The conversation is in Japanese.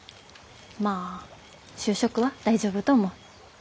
まあ就職は大丈夫と思う。